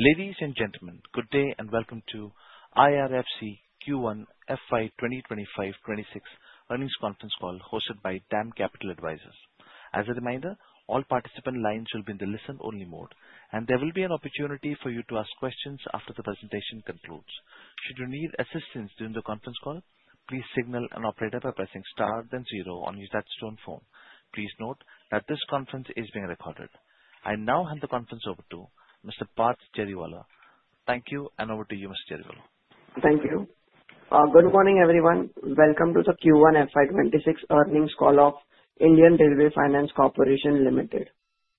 Ladies and gentlemen, good day and welcome to IRFC Q1 FY 2025-2026 earnings conference call hosted by DAM Capital Advisors. As a reminder, all participant lines will be in the listen-only mode, and there will be an opportunity for you to ask questions after the presentation concludes. Should you need assistance during the conference call, please signal an operator by pressing star then zero on your touch-tone phone. Please note that this conference is being recorded. I now hand the conference over to Mr. Parth Jariwala. Thank you, and over to you, Mr. Jariwala. Thank you. Good morning, everyone. Welcome to the Q1 FY 2026 earnings call of Indian Railway Finance Corporation Limited.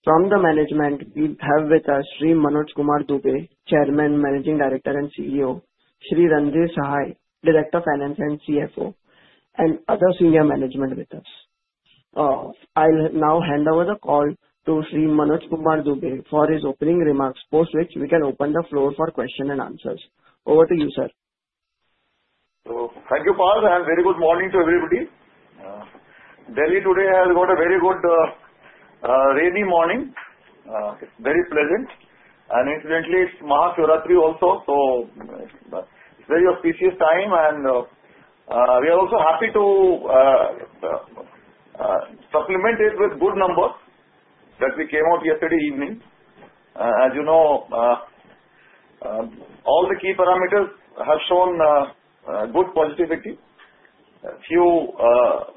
From the management, we have with us Sri Manoj Kumar Dubey, Chairman, Managing Director, and CEO, Sri Ranjit Sahai, Director of Finance and CFO, and other senior management with us. I'll now hand over the call to Sri Manoj Kumar Dubey for his opening remarks, post which we can open the floor for questions and answers. Over to you, sir. Thank you, Parth, and very good morning to everybody. Delhi today has got a very good rainy morning. It's very pleasant, and incidentally, it's Maha Shivratri also, so it's a very auspicious time. We are also happy to supplement it with good numbers that we came out yesterday evening. As you know, all the key parameters have shown good positivity, few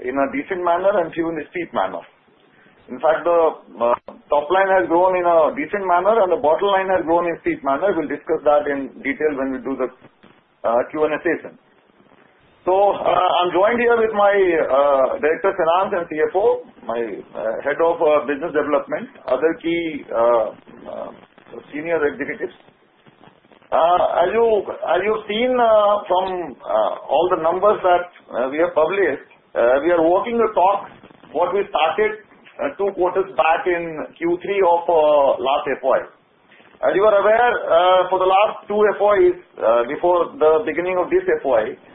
in a decent manner and few in a steep manner. In fact, the top line has grown in a decent manner, and the bottom line has grown in a steep manner. We'll discuss that in detail when we do the Q&A session. So I'm joined here with my Director of Finance and CFO, my Head of Business Development, and other key senior executives. As you've seen from all the numbers that we have published, we are walking the talk of what we started two quarters back in Q3 of last FY. As you are aware, for the last two FYs before the beginning of this FY,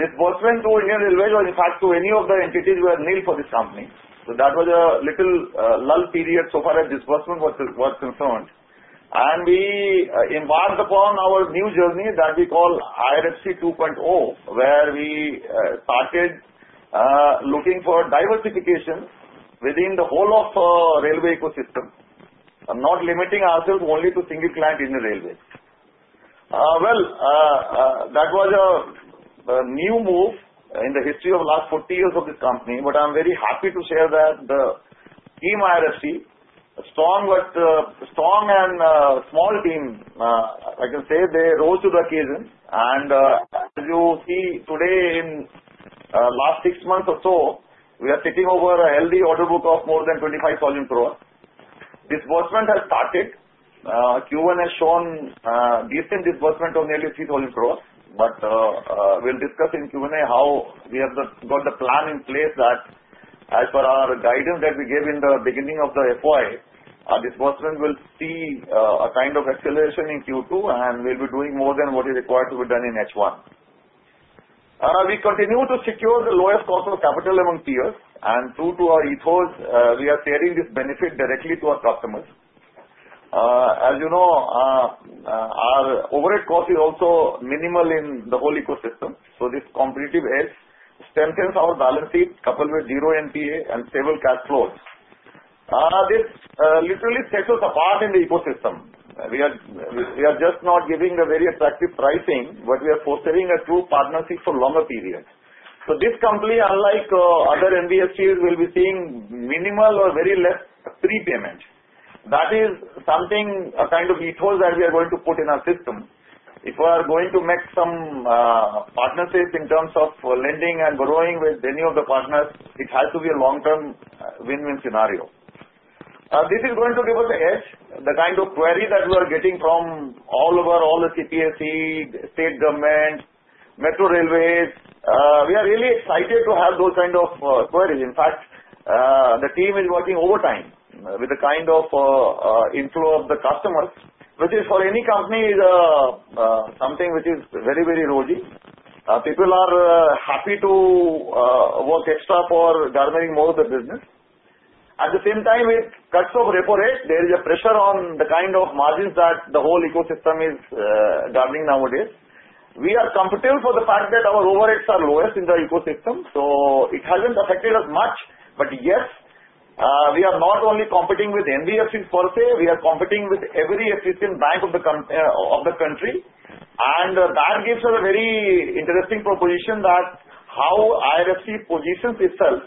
disbursement to Indian Railways or, in fact, to any of the entities were nil for this company. So that was a little lull period so far as disbursement was concerned. And we embarked upon our new journey that we call IRFC 2.0, where we started looking for diversification within the whole of the railway ecosystem, not limiting ourselves only to single client in the Railways. Well, that was a new move in the history of the last 40 years of this company, but I'm very happy to share that the team IRFC, a strong and small team, I can say they rose to the occasion. As you see today, in the last six months or so, we are sitting over a healthy order book of more than 25,000. Disbursement has started. Q1 has shown decent disbursement of nearly 3,000, but we'll discuss in Q&A how we have got the plan in place that, as per our guidance that we gave in the beginning of the FY, our disbursement will see a kind of acceleration in Q2, and we'll be doing more than what is required to be done in H1. We continue to secure the lowest cost of capital among peers, and true to our ethos, we are sharing this benefit directly to our customers. As you know, our overhead cost is also minimal in the whole ecosystem, so this competitive edge strengthens our balance sheet coupled with zero NPA and stable cash flows. This literally sets us apart in the ecosystem. We are just not giving a very attractive pricing, but we are fostering a true partnership for a longer period. So this company, unlike other NBFCs, will be seeing minimal or very less prepayment. That is something, a kind of ethos that we are going to put in our system. If we are going to make some partnerships in terms of lending and borrowing with any of the partners, it has to be a long-term win-win scenario. This is going to give us the edge, the kind of query that we are getting from all over, all the CPSE, state government, metro railways. We are really excited to have those kinds of queries. In fact, the team is working overtime with the kind of inflow of the customers, which is, for any company, something which is very, very rosy. People are happy to work extra for garnering more of the business. At the same time, with cuts of repo rate, there is a pressure on the kind of margins that the whole ecosystem is garnering nowadays. We are comfortable for the fact that our overheads are lowest in the ecosystem, so it hasn't affected us much. But yes, we are not only competing with NBFCs per se. We are competing with every efficient bank of the country, and that gives us a very interesting proposition that how IRFC positions itself,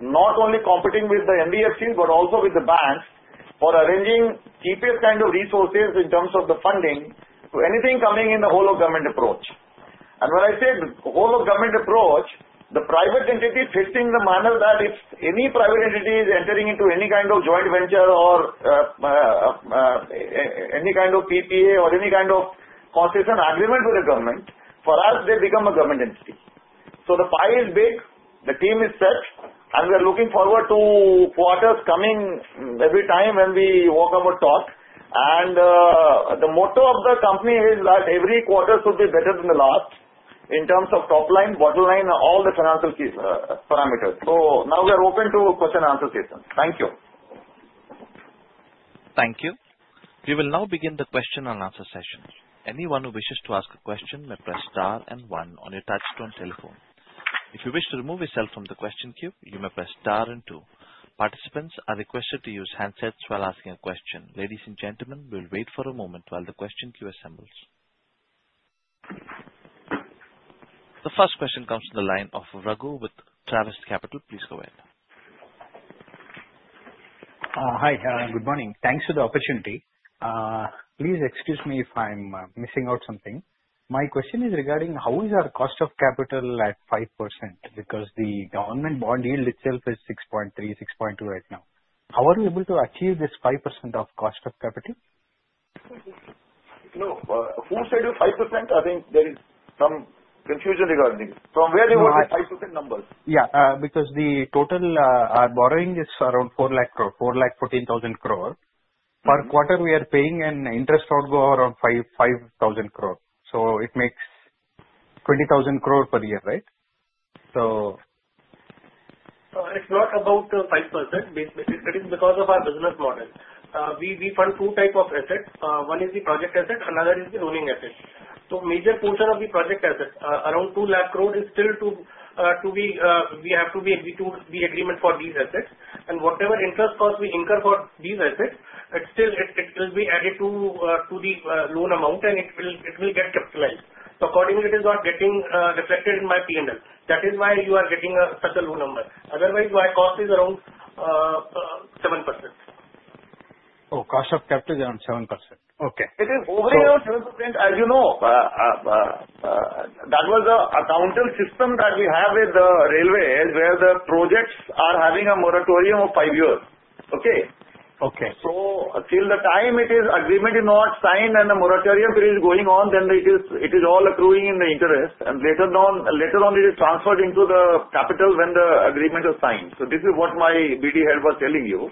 not only competing with the NBFCs but also with the banks for arranging cheapest kind of resources in terms of the funding to anything coming in the whole-of-government approach. And when I say the whole-of-government approach, the private entity fits in the manner that if any private entity is entering into any kind of joint venture or any kind of PPA or any kind of concession agreement with the government, for us, they become a government entity. So the pie is big, the team is set, and we are looking forward to quarters coming every time when we walk our talk. And the motto of the company is that every quarter should be better than the last in terms of top line, bottom line, and all the financial parameters. So now we are open to question-and-answer sessions. Thank you. Thank you. We will now begin the question-and-answer session. Anyone who wishes to ask a question may press star and one on your touch-tone telephone. If you wish to remove yourself from the question queue, you may press star and two. Participants are requested to use handsets while asking a question. Ladies and gentlemen, we'll wait for a moment while the question queue assembles. The first question comes from the line of Raghu with Creaegis Capital. Please go ahead. Hi, good morning. Thanks for the opportunity. Please excuse me if I'm missing out on something. My question is regarding how is our cost of capital at 5% because the government bond yield itself is 6.3%, 6.2% right now. How are we able to achieve this 5% of cost of capital? No, who said 5%? I think there is some confusion regarding it. From where do you want the 5% numbers? Yeah, because the total borrowing is around 414,000. Per quarter, we are paying an interest outgo of around 5,000 crore. So it makes 20,000 crore per year, right? So. It's not about 5%. It is because of our business model. We fund two types of assets. One is the project asset, another is the owning asset. So the major portion of the project asset, around 2 lakh crore, is still to be. We have to execute the agreement for these assets. And whatever interest cost we incur for these assets, it will be added to the loan amount, and it will get capitalized. So accordingly, it is not getting reflected in my P&L. That is why you are getting such a low number. Otherwise, my cost is around 7%. Oh, cost of capital is around 7%. Okay. It is overly around 7%. As you know, that was the accounting system that we have with the railways where the projects are having a moratorium of five years. Okay? Okay. Till the time the agreement is not signed and the moratorium period is going on, then it is all accruing interest, and later on, it is transferred into the capital when the agreement is signed. This is what my BD head was telling you.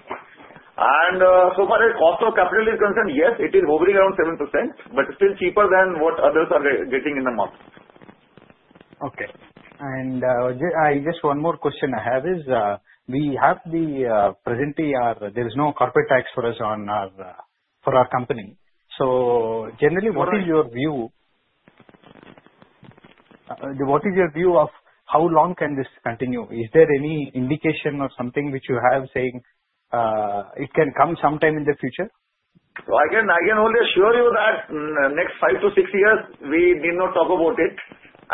So far as cost of capital is concerned, yes, it is hovering around 7%, but it's still cheaper than what others are getting in the market. Okay. And just one more question I have is, we have the presently, there is no corporate tax for us for our company. So generally, what is your view? What is your view of how long can this continue? Is there any indication or something which you have saying it can come sometime in the future? So I can only assure you that next five to six years, we did not talk about it,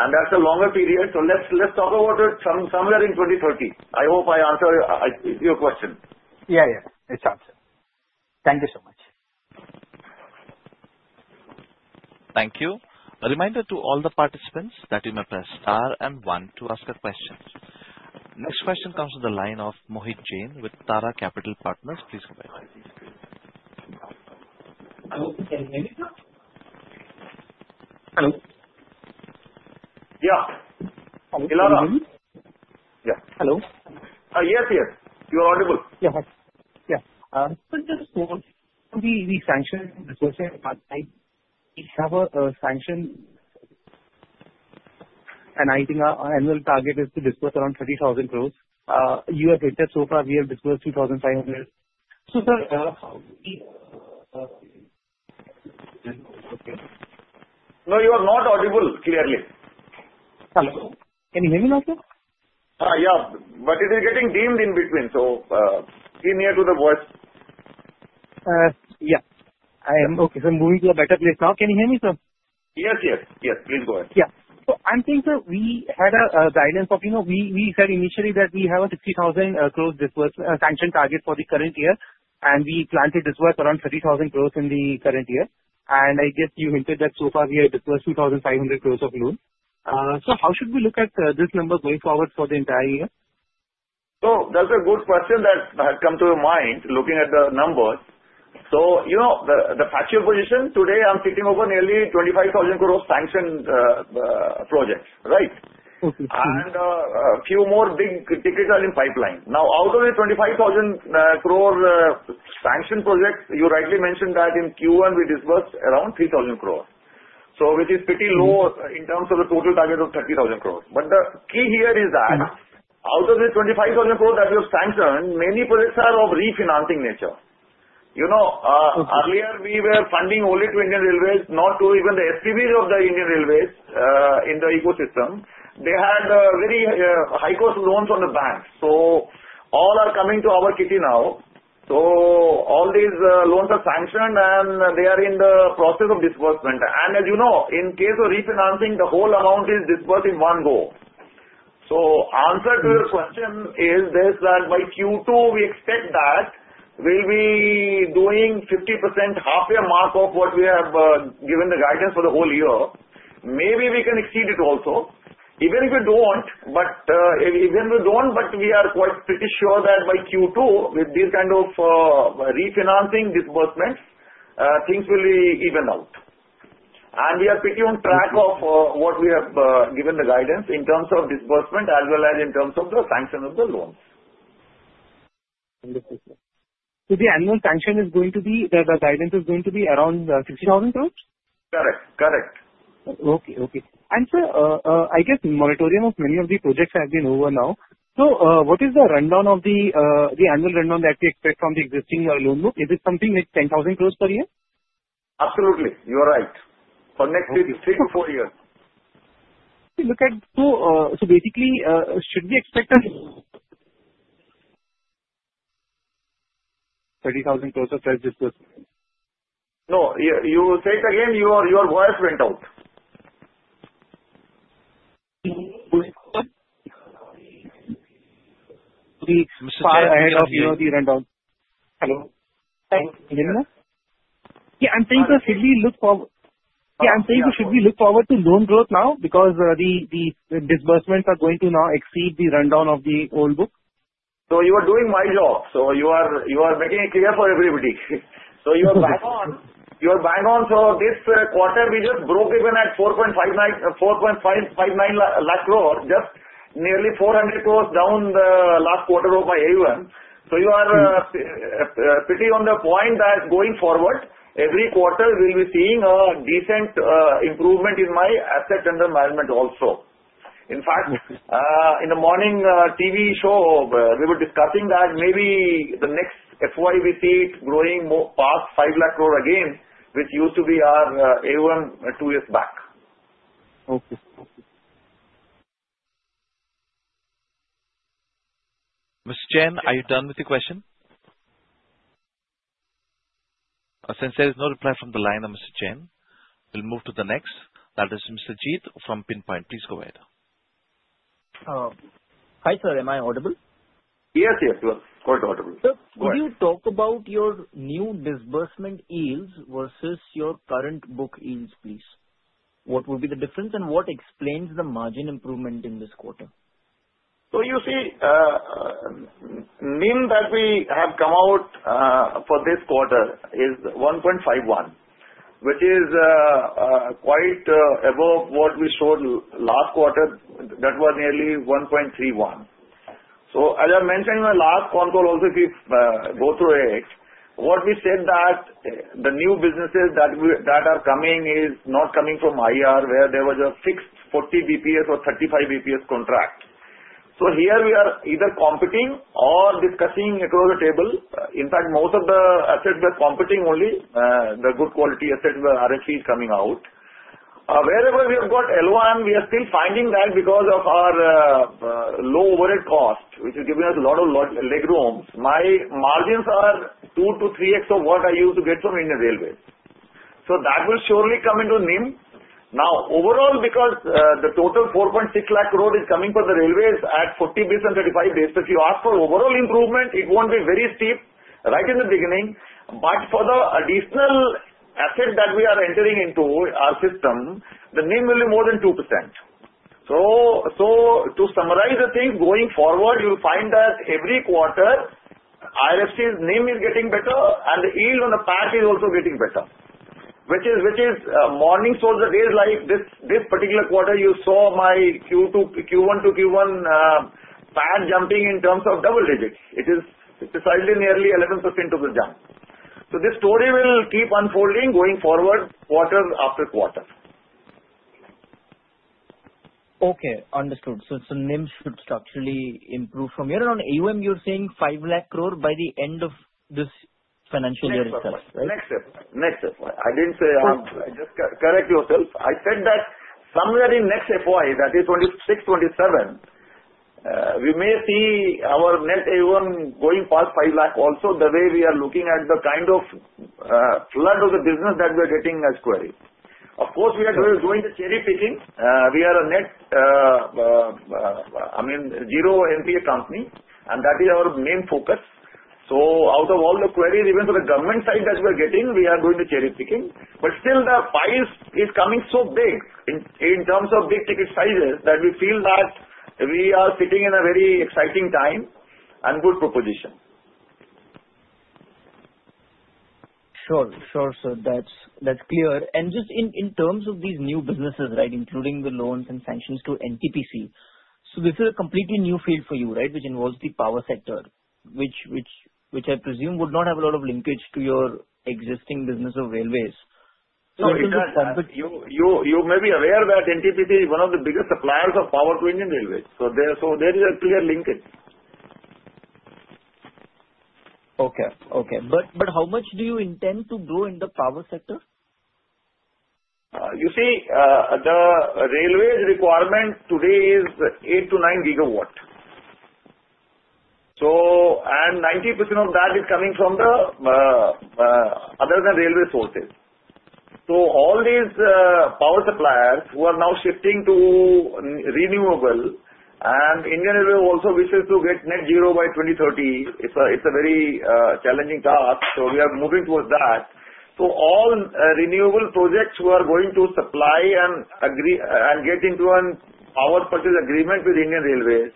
and that's a longer period. So let's talk about it somewhere in 2030. I hope I answered your question. Yeah, yeah. It's answered. Thank you so much. Thank you. A reminder to all the participants that you may press star and one to ask a question. Next question comes from the line of Mohit Jain with Tara Capital Partners. Please go ahead. Hello. Can you hear me? Hello. Yeah. Hello. Hello. Yes, yes. You are audible. Yeah. So just to be sanctioned disbursement, we have a sanction, and I think our annual target is to disburse around 30,000 crores. You have hinted so far; we have disbursed 2,500 crores. So sir, we. No, you are not audible clearly. Hello. Can you hear me now, sir? Yeah, but it is getting dimmed in between, so be near to the voice. Yeah. I am okay. So I'm moving to a better place now. Can you hear me, sir? Yes, yes. Yes. Please go ahead. Yeah. So I'm saying, sir, we had a guidance of we said initially that we have a 60,000 crores disbursement sanction target for the current year, and we plan to disburse around 30,000 crores in the current year. And I guess you hinted that so far we have disbursed 2,500 crores of loan. So how should we look at this number going forward for the entire year? That's a good question that had come to your mind looking at the numbers. The factual position today, I'm sitting over nearly 25,000 crores sanctioned projects, right? And a few more big tickets are in pipeline. Now, out of the 25,000 crores sanctioned projects, you rightly mentioned that in Q1, we disbursed around 3,000 crores, which is pretty low in terms of the total target of 30,000 crores. But the key here is that out of the 25,000 crores that we have sanctioned, many projects are of refinancing nature. Earlier, we were funding only to Indian Railways, not to even the SPVs of the Indian Railways in the ecosystem. They had very high-cost loans on the banks. So all are coming to our kitty now. So all these loans are sanctioned, and they are in the process of disbursement. And as you know, in case of refinancing, the whole amount is disbursed in one go. So the answer to your question is this: that by Q2, we expect that we'll be doing 50%, half a mark of what we have given the guidance for the whole year. Maybe we can exceed it also, even if we don't. But even if we don't, we are quite pretty sure that by Q2, with these kinds of refinancing disbursements, things will be evened out. And we are pretty on track of what we have given the guidance in terms of disbursement as well as in terms of the sanction of the loans. To the annual sanction, is going to be that the guidance is going to be around 60,000 crores? Correct. Correct. Okay. And sir, I guess the moratorium of many of the projects has been over now. So what is the rundown of the annual rundown that we expect from the existing loan book? Is it something like 10,000 per year? Absolutely. You are right. For next three to four years. Basically, should we expect a? 30,000 crores of cash disbursement. No, you said again, your voice went out. Please, Mr. Parth, ahead of the rundown. Hello. Yeah. I'm saying we should look forward. Yeah. I'm saying we should look forward to loan growth now because the disbursements are going to now exceed the rundown of the old book. So you are doing my job. So you are making it clear for everybody. So you are bang on. You are bang on. So this quarter, we just broke even at 4.5 lakh crore, just nearly 400 crores down the last quarter of my AUM. So you are pretty on the point that going forward, every quarter, we'll be seeing a decent improvement in my asset under management also. In fact, in the morning TV show, we were discussing that maybe the next FY, we see it growing past 5 lakh crore again, which used to be our AUM two years back. Okay. Mr. Chairman, are you done with your question? Since there is no reply from the line of Mr. Chairman, we'll move to the next. That is Mr. Jeet from Pinpoint. Please go ahead. Hi sir, am I audible? Yes, yes. You are quite audible. Could you talk about your new disbursement yields versus your current book yields, please? What would be the difference, and what explains the margin improvement in this quarter? So you see, the NIM that we have come out for this quarter is 1.51, which is quite above what we showed last quarter that was nearly 1.31. So as I mentioned in the last call, also if you go through it, what we said that the new businesses that are coming is not coming from IR, where there was a fixed 40 basis points or 35 basis points contract. So here we are either competing or discussing across the table. In fact, most of the assets were competing only, the good quality asset where RFP is coming out. Wherever we have got L1, we are still finding that because of our low overhead cost, which is giving us a lot of legroom. My margins are two to three X of what I used to get from Indian Railways. So that will surely come into NIM. Now, overall, because the total 4.6 lakh crore is coming for the railways at 40 basis points and 35 basis points, if you ask for overall improvement, it won't be very steep right in the beginning. But for the additional asset that we are entering into our system, the NIM will be more than 2%. So to summarize the thing, going forward, you'll find that every quarter, IRFC's NIM is getting better, and the yield on the PAT is also getting better, which is more or less these days. Like this particular quarter, you saw from Q1 to Q1 PAT jumping in terms of double digits. It is precisely nearly 11% of the jump. So this story will keep unfolding going forward quarter after quarter. Okay. Understood. So NIM should structurally improve from here. And on AUM, you're saying 5 lakh crore by the end of this financial year itself, right? Next FY. I didn't say I'm correct, yourself. I said that somewhere in next FY, that is 2026, 2027, we may see our net AUM going past 5 lakh also the way we are looking at the kind of flood of the business that we are getting as queries. Of course, we are going to cherry picking. We are a net, I mean, zero NPA company, and that is our main focus. Out of all the queries, even for the government side that we are getting, we are going to cherry picking. But still, the pipeline is coming so big in terms of big ticket sizes that we feel that we are sitting in a very exciting time and good proposition. Sure. Sure. So that's clear. And just in terms of these new businesses, right, including the loans and sanctions to NTPC, so this is a completely new field for you, right, which involves the power sector, which I presume would not have a lot of linkage to your existing business of railways. You may be aware that NTPC is one of the biggest suppliers of power to Indian Railways. So there is a clear linkage. But how much do you intend to grow in the power sector? You see, the railways' requirement today is eight to nine gigawatts. And 90% of that is coming from the other than railway sources. So all these power suppliers who are now shifting to renewable, and Indian Railways also wishes to get net zero by 2030. It's a very challenging task. So we are moving towards that. So all renewable projects who are going to supply and get into a power purchase agreement with Indian Railways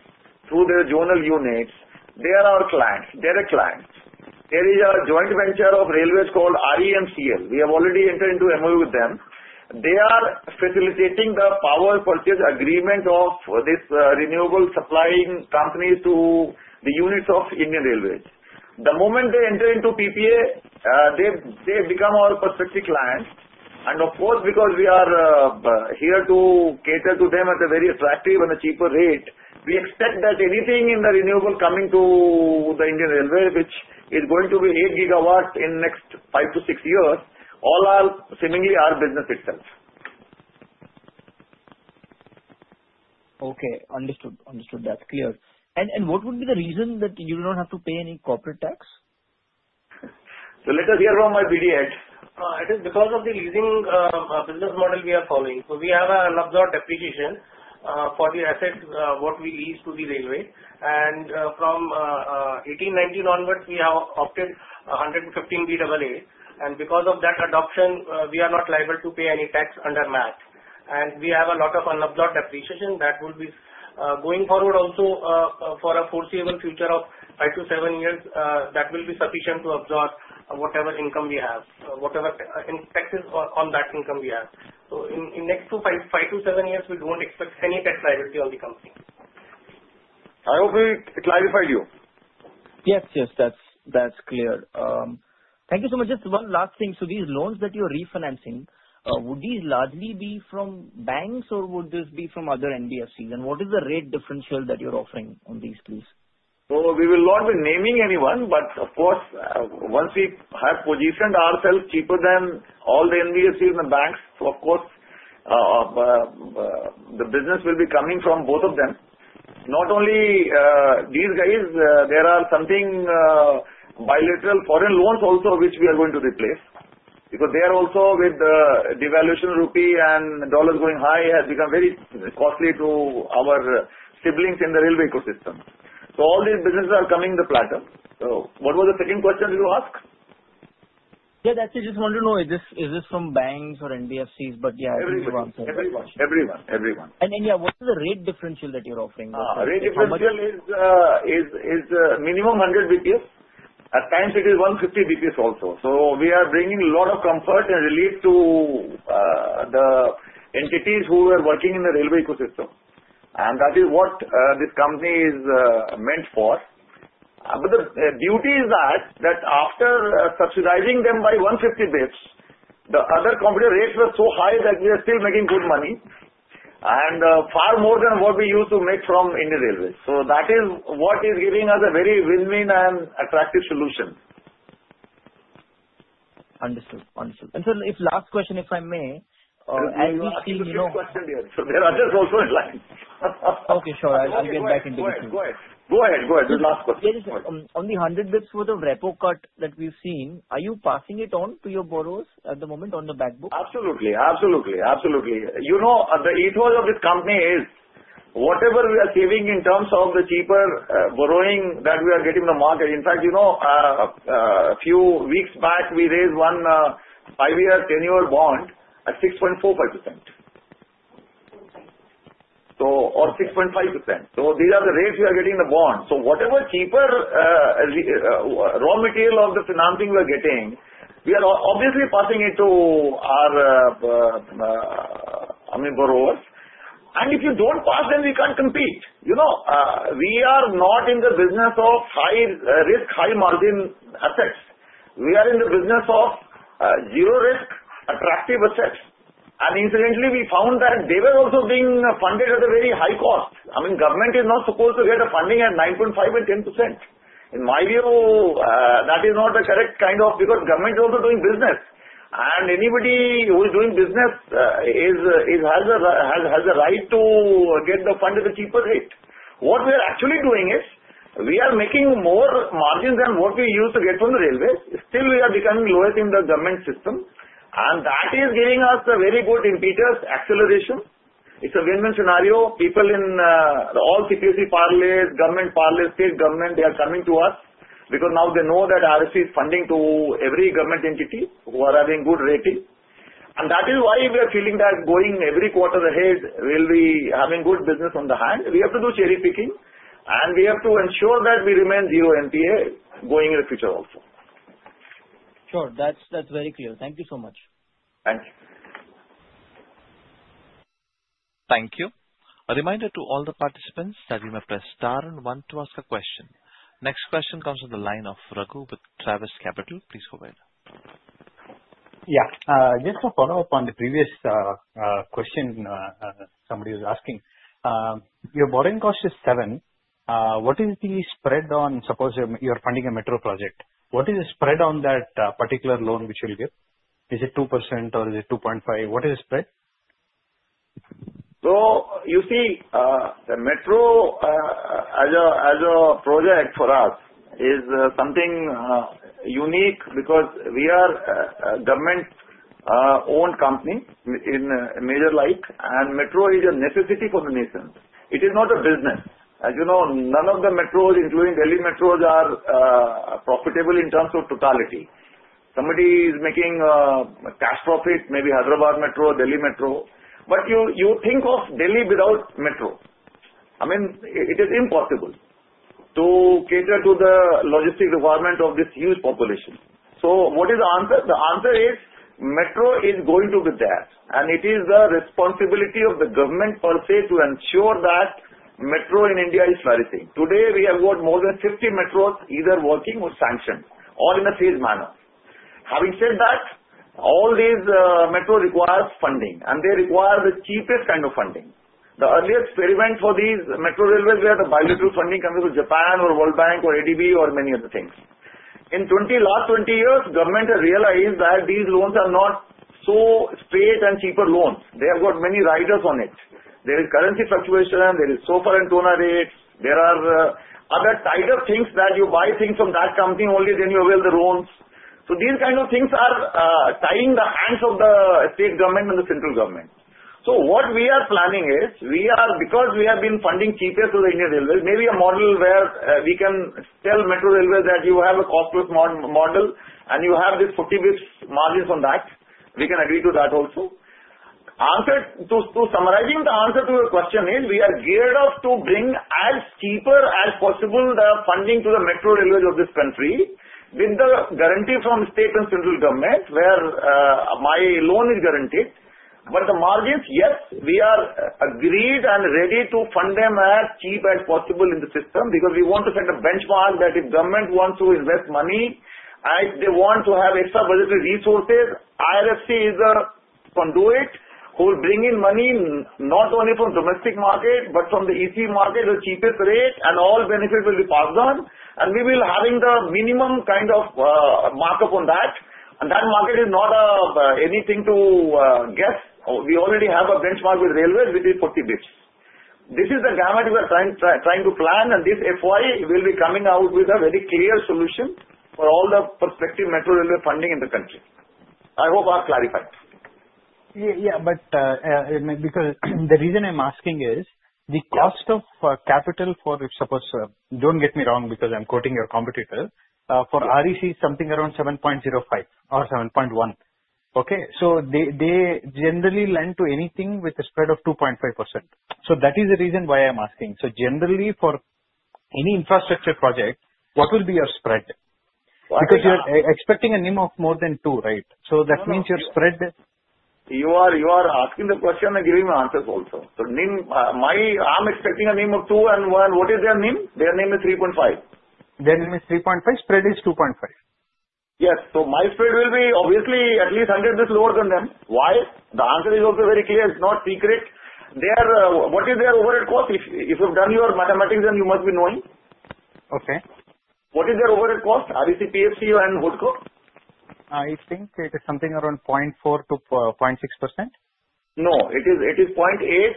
through their zonal units, they are our clients. They're a client. There is a joint venture of railways called REMCL. We have already entered into MOU with them. They are facilitating the power purchase agreement of this renewable supplying companies to the units of Indian Railways. The moment they enter into PPA, they become our prospective clients. Of course, because we are here to cater to them at a very attractive and a cheaper rate, we expect that anything in the renewable coming to the Indian Railways, which is going to be eight gigawatts in the next five to six years, all are seemingly our business itself. Okay. Understood. Understood. That's clear. And what would be the reason that you do not have to pay any corporate tax? So let us hear from my BD head. It is because of the leasing business model we are following. We have an unabsorbed depreciation for the assets that we lease to the railway. From FY 1990 onwards, we have opted 115BAA. Because of that adoption, we are not liable to pay any tax under MAT. We have a lot of unabsorbed depreciation that will be going forward also for a foreseeable future of five to seven years that will be sufficient to absorb whatever income we have, whatever taxes on that income we have. In the next five to seven years, we do not expect any tax liability on the company. I hope that clarifies it for you. Yes. Yes. That's clear. Thank you so much. Just one last thing. So these loans that you're refinancing, would these largely be from banks, or would this be from other NBFCs? And what is the rate differential that you're offering on these, please? So we will not be naming anyone, but of course, once we have positioned ourselves cheaper than all the NBFCs and the banks, of course, the business will be coming from both of them. Not only these guys, there are some bilateral foreign loans also which we are going to replace because they are also with the devaluation of rupee and dollars going high has become very costly to our siblings in the railway ecosystem. So all these businesses are coming on the plate. So what was the second question you asked? Yeah. That's it. Just wanted to know, is this from banks or NBFCs? But yeah, I think you answered it. Everyone. Yeah, what is the rate differential that you're offering? Rate differential is minimum 100 basis points. At times, it is 150 basis points also. So we are bringing a lot of comfort and relief to the entities who are working in the railway ecosystem. And that is what this company is meant for. But the beauty is that after subsidizing them by 150 basis points, the other competitor rates were so high that we are still making good money and far more than what we used to make from Indian Railways. So that is what is giving us a very win-win and attractive solution. Understood. Understood. And, sir, last question, if I may? So you asked the question here. So there are others also in line. Okay. Sure. I'll get back into this one. Go ahead. Go ahead. Go ahead. The last question. On the 100 basis points worth of repo cut that we've seen, are you passing it on to your borrowers at the moment on the back book? Absolutely. Absolutely. Absolutely. You know, the ethos of this company is whatever we are saving in terms of the cheaper borrowing that we are getting in the market. In fact, a few weeks back, we raised one 5-year, 10-year bond at 6.45% or 6.5%. So these are the rates we are getting in the bond. So whatever cheaper raw material of the financing we are getting, we are obviously passing it to our borrowers, and if you don't pass them, we can't compete. We are not in the business of high-risk, high-margin assets. We are in the business of zero-risk, attractive assets, and incidentally, we found that they were also being funded at a very high cost. I mean, government is not supposed to get funding at 9.5% and 10%. In my view, that is not the correct kind of because government is also doing business. And anybody who is doing business has the right to get the fund at the cheapest rate. What we are actually doing is we are making more margin than what we used to get from the railways. Still, we are becoming lower in the government system. And that is giving us a very good impetus, acceleration. It's a win-win scenario. People in all CPSE PSUs, government PSUs, state government, they are coming to us because now they know that IRFC is funding to every government entity who are having good rating. And that is why we are feeling that going every quarter ahead will be having good business on the hand. We have to do cherry picking, and we have to ensure that we remain zero NPA going in the future also. Sure. That's very clear. Thank you so much. Thank you. Thank you. A reminder to all the participants that you may press star and one to ask a question. Next question comes on the line of Raghu with Creaegis Capital. Please go ahead. Yeah. Just to follow up on the previous question somebody was asking, your borrowing cost is 7%. What is the spread on, suppose you're funding a metro project? What is the spread on that particular loan which you'll give? Is it 2% or is it 2.5%? What is the spread? So you see, the metro as a project for us is something unique because we are a government-owned company in a major, like, and metro is a necessity for the nation. It is not a business. As you know, none of the metros, including Delhi Metro, are profitable in terms of totality. Somebody is making a cash profit, maybe Hyderabad Metro, Delhi Metro. But you think of Delhi without metro. I mean, it is impossible to cater to the logistic requirement of this huge population. So what is the answer? The answer is metro is going to be there. And it is the responsibility of the government per se to ensure that metro in India is flourishing. Today, we have got more than 50 metros either working or sanctioned, all in a phased manner. Having said that, all these metros require funding, and they require the cheapest kind of funding. The earliest experiment for these metro railways where the bilateral funding comes from Japan or World Bank or ADB or many other things. In the last 20 years, government has realized that these loans are not so straight and cheaper loans. They have got many riders on it. There is currency fluctuation. There is SOFR and TONA rates. There are other tighter things that you buy things from that company only, then you avail the loans. So these kinds of things are tying the hands of the state government and the central government. So what we are planning is because we have been funding cheaper through the Indian Railways, maybe a model where we can tell metro railways that you have a cost plus model, and you have this 40 basis points margin from that. We can agree to that also. To summarize the answer to your question is we are geared up to bring as cheaper as possible the funding to the metro railways of this country with the guarantee from state and central government where my loan is guaranteed. But the margins, yes, we are agreed and ready to fund them as cheap as possible in the system because we want to set a benchmark that if government wants to invest money and if they want to have extra budgetary resources, IRFC is a conduit who will bring in money not only from the domestic market but from the ECB market at the cheapest rate, and all benefits will be passed on. And we will be having the minimum kind of markup on that. And that market is not anything to guess. We already have a benchmark with railways, which is 40 basis points. This is the gamut we are trying to plan, and this FY will be coming out with a very clear solution for all the prospective metro railway funding in the country. I hope I've clarified. Yeah. But because the reason I'm asking is the cost of capital for, suppose don't get me wrong because I'm quoting your competitor, for REC is something around 7.05 or 7.1. Okay? So they generally lend to anything with a spread of 2.5%. So that is the reason why I'm asking. So generally, for any infrastructure project, what will be your spread? Because you're expecting a NIM of more than 2, right? So that means your spread. You are asking the question and giving me answers also. So I'm expecting a NIM of 2 and what is their NIM? Their NIM is 3.5. Their NIM is 3.5. Spread is 2.5. Yes, so my spread will be obviously at least 100 basis points lower than them. Why? The answer is also very clear. It's not secret. What is their overhead cost? If you've done your mathematics, then you must be knowing. Okay. What is their overhead cost? REC, PFC, and HUDCO? I think it is something around 0.4%-0.6%. No. It is 0.8%,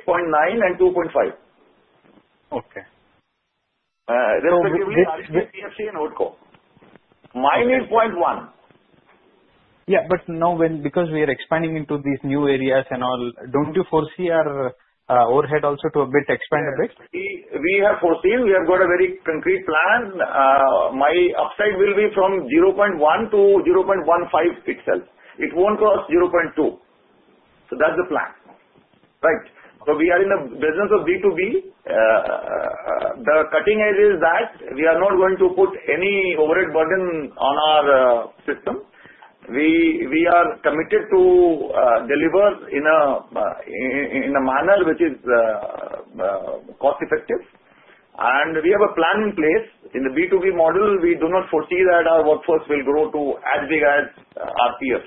0.9%, and 2.5%. Okay. Respectively, REC, PFC, and HUDCO. Mine is 0.1%. Yeah. But now, because we are expanding into these new areas and all, don't you foresee our overhead also to a bit expand a bit? We have foreseen. We have got a very concrete plan. My upside will be from 0.1%-0.15% itself. It won't cross 0.2%. So that's the plan. Right. So we are in the business of B2B. The cutting edge is that we are not going to put any overhead burden on our system. We are committed to deliver in a manner which is cost-effective. And we have a plan in place. In the B2B model, we do not foresee that our workforce will grow to as big as RPF.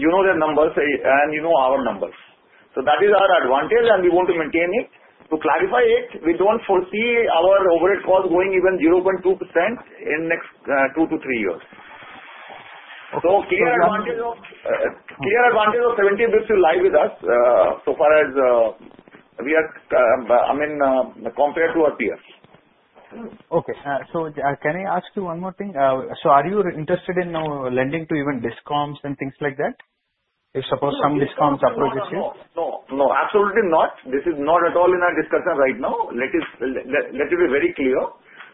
You know the numbers, and you know our numbers. So that is our advantage, and we want to maintain it. To clarify it, we don't foresee our overhead cost going even 0.2% in the next two to three years. Okay. So clear advantage of 70 basis points will lie with us so far as we are, I mean, compared to our peers. Okay. Can I ask you one more thing? Are you interested in now lending to even Discoms and things like that? If suppose some Discoms approaches you? No. No. No. Absolutely not. This is not at all in our discussion right now. Let it be very clear.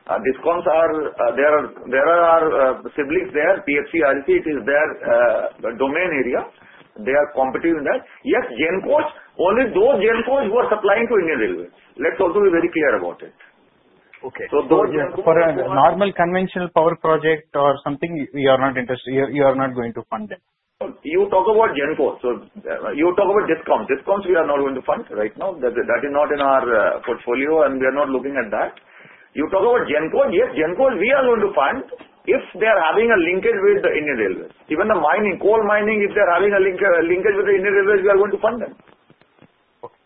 Discoms, there are specialists there. PFC, REC, it is their domain area. They are competitive in that. Yes, Gencos, only those Gencos who are supplying to Indian Railways. Let's also be very clear about it. Okay. So for a normal conventional power project or something, you are not going to fund them? You talk about Gencos. So you talk about Discoms. Discoms, we are not going to fund right now. That is not in our portfolio, and we are not looking at that. You talk about Gencos, yes, Gencos, we are going to fund if they are having a linkage with the Indian Railways. Even the mining, coal mining, if they are having a linkage with the Indian Railways, we are going to fund them. Okay.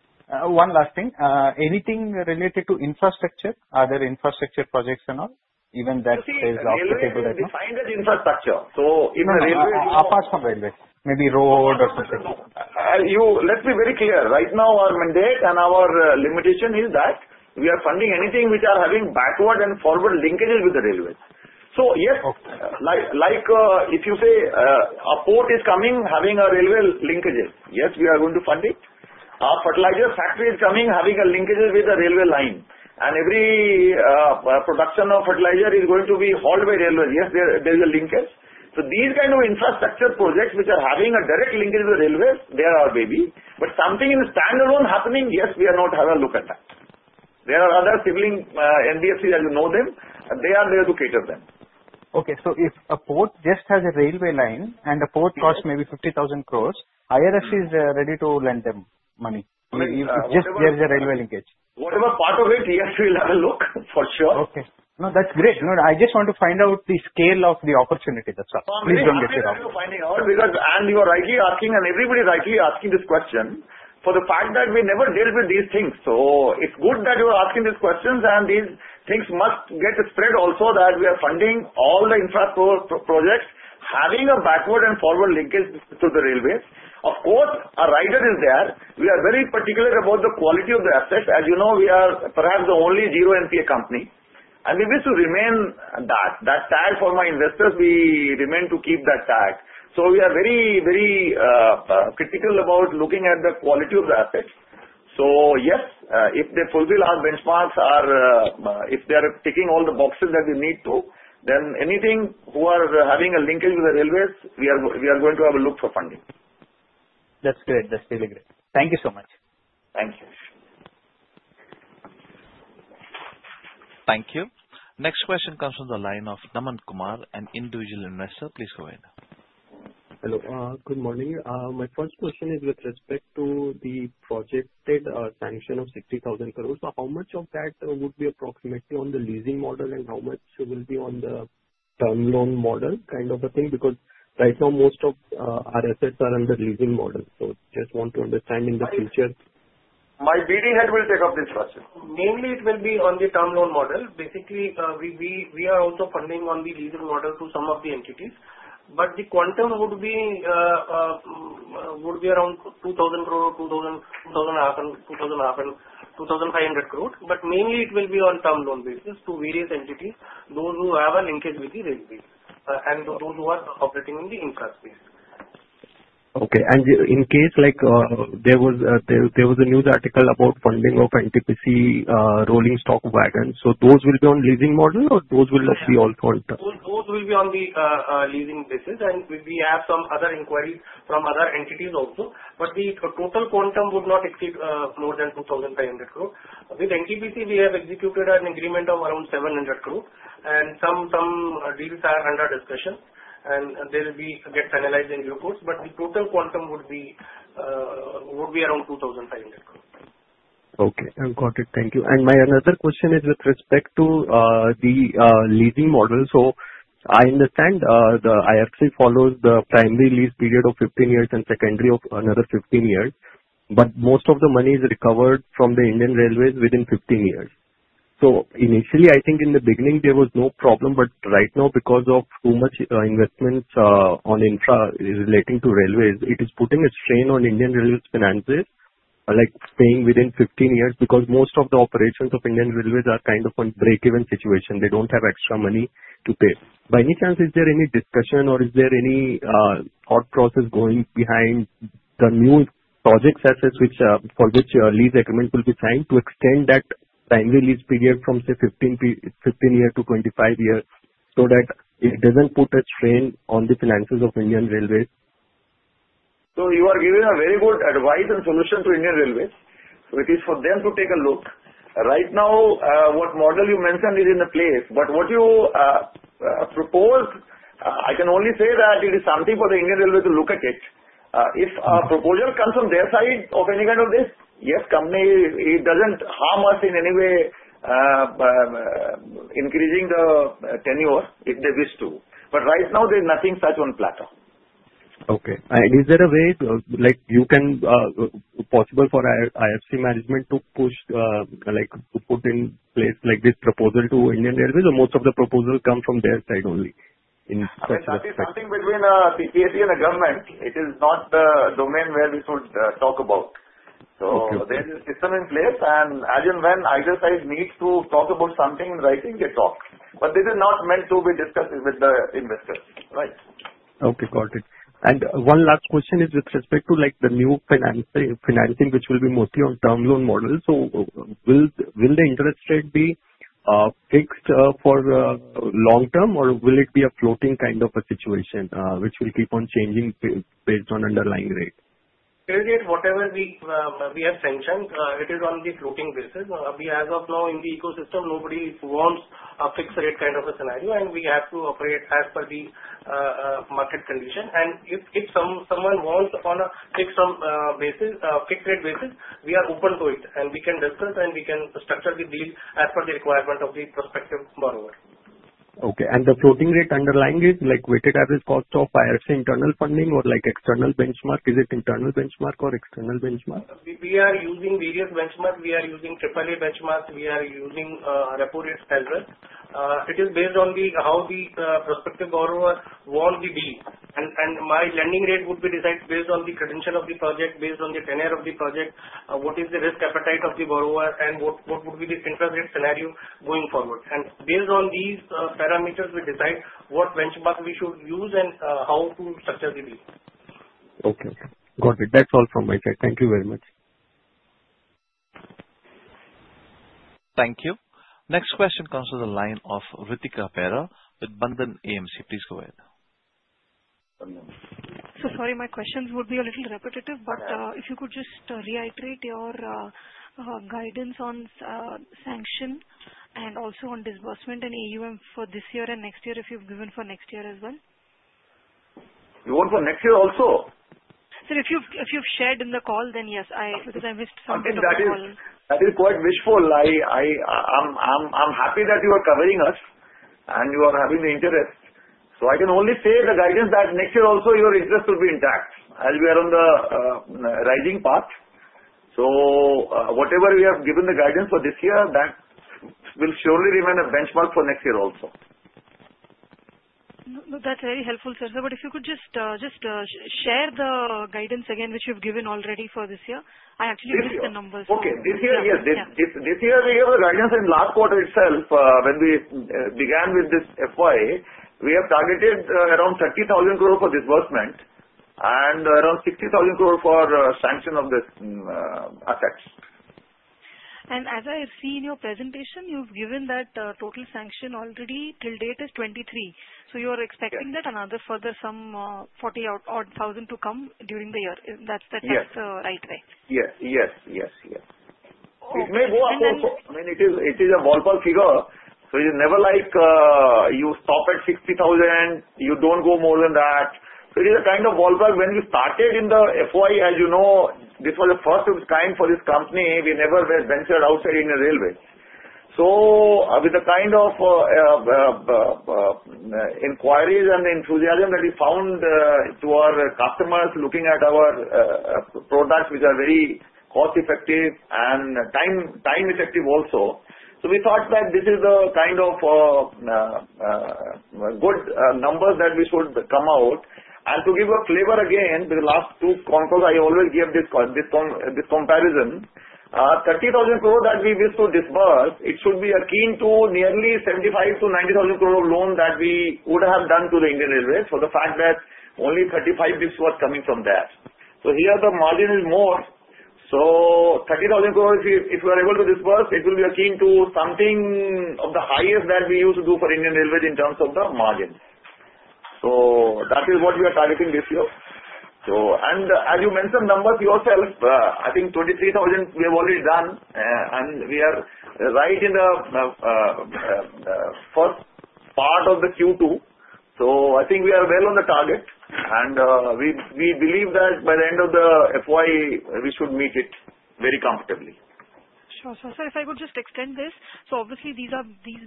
One last thing. Anything related to infrastructure? Other infrastructure projects and all? Even that stays off the table right now. We find that infrastructure. So if the railway. Apart from railways, maybe road or something? Let's be very clear. Right now, our mandate and our limitation is that we are funding anything which is having backward and forward linkages with the railways. So yes, like if you say a port is coming having a railway linkage, yes, we are going to fund it. Our fertilizer factory is coming having a linkage with the railway line. And every production of fertilizer is going to be hauled by railways. Yes, there is a linkage. So these kinds of infrastructure projects which are having a direct linkage with the railways, there are many. But something in standalone happening, yes, we are not going to have a look at that. There are other sibling NBFCs as you know them, and they are there to cater them. If a port just has a railway line and a port costs maybe 50,000 crores, IRFC is ready to lend them money if there is a railway linkage. Whatever part of it, yes, we'll have a look for sure. Okay. No, that's great. I just want to find out the scale of the opportunity. That's all. Please don't get me wrong. You are rightly asking, and everybody is rightly asking this question for the fact that we never dealt with these things. It's good that you are asking these questions, and these things must get the spread also that we are funding all the infrastructure projects having a backward and forward linkage through the railways. Of course, a rider is there. We are very particular about the quality of the assets. As you know, we are perhaps the only zero NPA company. We wish to remain that. That tag for my investors, we remain to keep that tag. We are very, very critical about looking at the quality of the assets. Yes, if they fulfill our benchmarks, if they are ticking all the boxes that we need to, then anything who are having a linkage with the railways, we are going to have a look for funding. That's great. That's really great. Thank you so much. Thank you. Thank you. Next question comes from the line of Daman Kumar, an individual investor. Please go ahead. Hello. Good morning. My first question is with respect to the projected sanction of 60,000 crores. So how much of that would be approximately on the leasing model and how much will be on the term loan model kind of a thing? Because right now, most of our assets are under leasing model. So just want to understand in the future. My BD head will take up this question. Mainly, it will be on the term loan model. Basically, we are also funding on the leasing model to some of the entities. But the quantum would be around 2,000 crores, 2,500 crores. But mainly, it will be on term loan basis to various entities, those who have a linkage with the railways and those who are operating in the infrastructure. Okay, and in case there was a news article about funding of NTPC rolling stock wagons, so those will be on leasing model or those will be also on term? Those will be on the leasing basis, and we have some other inquiries from other entities also. But the total quantum would not exceed more than 2,500 crores. With NTPC, we have executed an agreement of around 700 crores, and some deals are under discussion, and they will be finalized in due course. But the total quantum would be around 2,500 crores. Okay. Got it. Thank you. And my another question is with respect to the leasing model. So I understand the IRFC follows the primary lease period of 15 years and secondary of another 15 years. But most of the money is recovered from the Indian Railways within 15 years. So initially, I think in the beginning, there was no problem. But right now, because of too much investments on infra relating to railways, it is putting a strain on Indian Railways' finances staying within 15 years because most of the operations of Indian Railways are kind of on break-even situation. They don't have extra money to pay. By any chance, is there any discussion or is there any thought process going behind the new project assets for which lease agreement will be signed to extend that primary lease period from, say, 15 years to 25 years so that it doesn't put a strain on the finances of Indian Railways? So you are giving a very good advice and solution to Indian Railways, which is for them to take a look. Right now, what model you mentioned is in place. But what you proposed, I can only say that it is something for the Indian Railways to look at it. If a proposal comes from their side of any kind of this, yes, company, it doesn't harm us in any way, increasing the tenure if they wish to. But right now, there is nothing such on platform. Okay. And is there a way you can possibly for IRFC management to put in place this proposal to Indian Railways, or most of the proposals come from their side only? That is something between the PFC and the government. It is not the domain where we should talk about. So there is a system in place, and as in when either side needs to talk about something in writing, they talk. But this is not meant to be discussed with the investors. Right. Okay. Got it, and one last question is with respect to the new financing, which will be mostly on term loan models, so will the interest rate be fixed for long term, or will it be a floating kind of a situation which will keep on changing based on underlying rate? Whatever we have sanctioned, it is on the floating basis. As of now, in the ecosystem, nobody wants a fixed rate kind of a scenario, and we have to operate as per the market condition, and if someone wants on a fixed rate basis, we are open to it, and we can discuss and we can structure the deal as per the requirement of the prospective borrower. Okay. The floating rate underlying is weighted average cost of IRFC internal funding or external benchmark? Is it internal benchmark or external benchmark? We are using various benchmarks. We are using AAA benchmarks. We are using Repo, Federal Funds. It is based on how the prospective borrower wants the deal. My lending rate would be decided based on the credential of the project, based on the tenure of the project, what is the risk appetite of the borrower, and what would be the interest rate scenario going forward. Based on these parameters, we decide what benchmark we should use and how to structure the deal. Okay. Got it. That's all from my side. Thank you very much. Thank you. Next question comes from the line of Ritika Behera with Bandhan AMC. Please go ahead. So sorry, my questions would be a little repetitive, but if you could just reiterate your guidance on sanction and also on disbursement and AUM for this year and next year, if you've given for next year as well? You want for next year also? So if you've shared in the call, then yes, because I missed some of the calls. That is quite wishful. I'm happy that you are covering us and you are having the interest. So I can only say the guidance that next year also your interest will be intact as we are on the rising path. So whatever we have given the guidance for this year, that will surely remain a benchmark for next year also. No, that's very helpful, sir. So if you could just share the guidance again which you've given already for this year. I actually missed the numbers. Okay. This year, yes. This year, we gave the guidance in last quarter itself. When we began with this FY, we have targeted around 30,000 crores for disbursement and around 60,000 crores for sanction of the assets. As I see in your presentation, you've given that total sanction already till date is 23, so you are expecting that another further some 40,000 to come during the year. That's the right way? Yes. Yes. Yes. Yes. I mean, it is a ballpark figure. So it is never like you stop at 60,000, you don't go more than that. So it is a kind of ballpark. When we started in the FY, as you know, this was the first time for this company. We never ventured outside Indian Railways. So with the kind of inquiries and enthusiasm that we found to our customers looking at our products which are very cost-effective and time-effective also, so we thought that this is the kind of good numbers that we should come out. And to give a flavor again, with the last two conferences, I always give this comparison. 30,000 crores that we wish to disburse, it should be akin to nearly 75,000 crores-90,000 crores of loan that we would have done to the Indian Railways for the fact that only 35 bids were coming from there. So here, the margin is more. So 30,000 crores, if we are able to disburse, it will be akin to something of the highest that we used to do for Indian Railways in terms of the margin. So that is what we are targeting this year. And as you mentioned numbers yourself, I think 23,000 we have already done, and we are right in the first part of the Q2. So I think we are well on the target. And we believe that by the end of the FY, we should meet it very comfortably. Sure. So sir, if I could just extend this. So obviously, these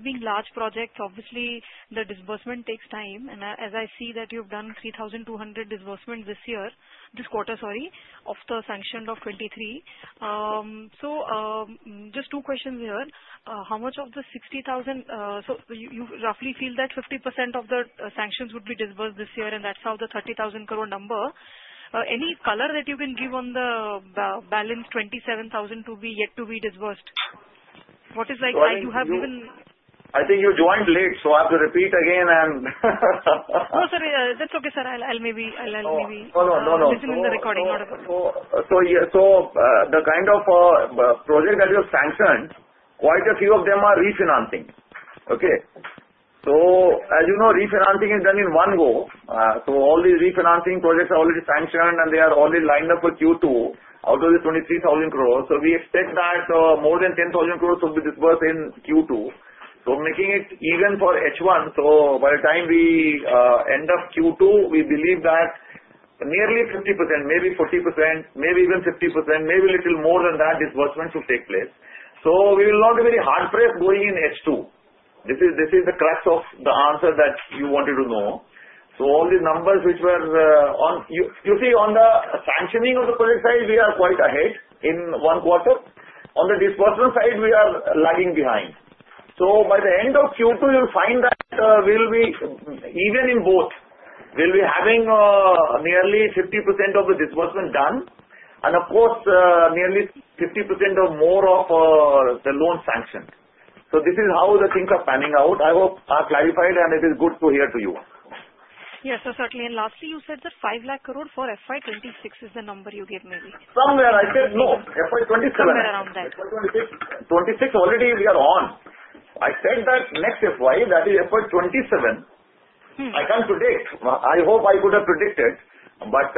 being large projects, obviously, the disbursement takes time. And as I see that you've done 3,200 disbursements this year, this quarter, sorry, of the sanctioned of 23. So just two questions here. How much of the 60,000? So you roughly feel that 50% of the sanctions would be disbursed this year, and that's how the 30,000 crore number. Any color that you can give on the balance 27,000 yet to be disbursed? What is like? You have given. I think you joined late, so I have to repeat again and. No, sir. That's okay, sir. I'll maybe visit in the recording. So the kind of projects that you have sanctioned, quite a few of them are refinancing. Okay? So as you know, refinancing is done in one go. So all these refinancing projects are already sanctioned, and they are already lined up for Q2 out of the 23,000 crores. So we expect that more than 10,000 crores will be disbursed in Q2. So making it even for H1. So by the time we end up Q2, we believe that nearly 50%, maybe 40%, maybe even 50%, maybe a little more than that disbursement should take place. So we will not be very hard-pressed going in H2. This is the crux of the answer that you wanted to know. So all these numbers which were on, you see, on the sanctioning of the project side, we are quite ahead in one quarter. On the disbursement side, we are lagging behind. By the end of Q2, you'll find that even in both, we'll be having nearly 50% of the disbursement done, and of course, nearly 50% or more of the loan sanctioned. This is how the things are panning out. I hope I clarified, and it is good to hear from you. Yes. So certainly. And lastly, you said that 5 lakh crores for FY 2026 is the number you gave, maybe. Somewhere. I said no. FY 2027. Somewhere around that. FY 2026, we are already on. I said that next FY, that is FY 2027. I can't predict. I hope I could have predicted. But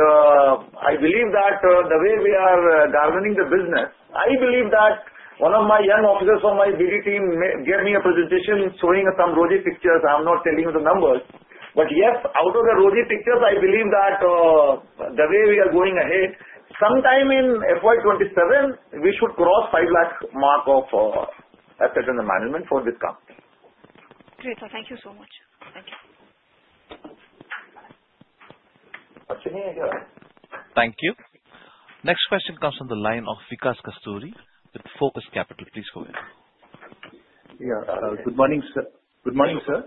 I believe that the way we are governing the business, I believe that one of my young officers from my BD team gave me a presentation showing some ROI pictures. I'm not telling you the numbers. But yes, out of the ROI pictures, I believe that the way we are going ahead, sometime in FY 2027, we should cross 5 lakh mark of asset under management for this company. Great. Thank you so much. Thank you. Actually, I got. Thank you. Next question comes from the line of Vikas Kasturi with Focus Capital. Please go ahead. Yeah. Good morning, sir. Good morning. Sir,